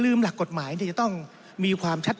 ท่านประธานก็เป็นสอสอมาหลายสมัย